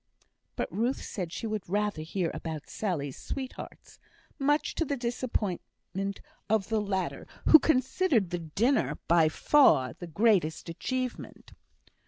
But Ruth said she would rather hear about Sally's sweethearts, much to the disappointment of the latter, who considered the dinner by far the greatest achievement.